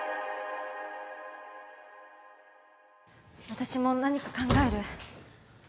私も何か考える。